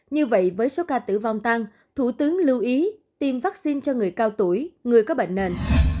như vậy với số ca tử vong tăng thủ tướng lưu ý tiêm vaccine cho người cao tuổi người có bệnh nền